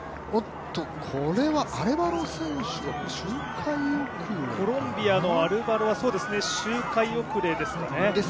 これは、アルバロ選手が、周回遅れコロンビアのアレバロは周回遅れですかね。